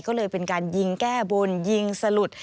ก็เลยเป็นการยิงแก้บนยิงสลุด